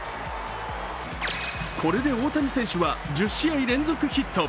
これで大谷選手は１０試合連続ヒット。